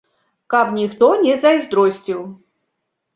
Каб ніхто не зайздросціў.